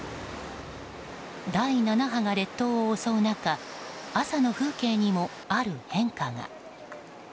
第７波が列島を襲う中朝の風景にもある変化が。